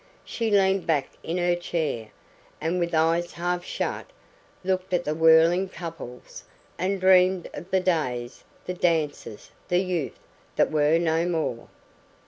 She leaned back in her chair, and with eyes half shut, looked at the whirling couples, and dreamed of the days the dances the youth that were no more.